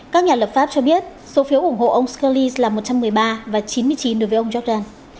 các nhà lập pháp cho biết số phiếu ủng hộ ông scurllis là một trăm một mươi ba và chín mươi chín đối với ông jordan